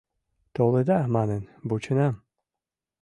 Толыда манын вученам.